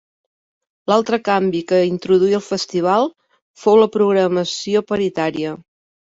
L'altre canvi que introduí el festival fou la programació paritària.